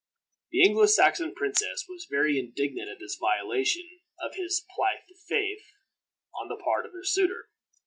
The Anglo Saxon princess was very indignant at this violation of his plighted faith on the part of her suitor.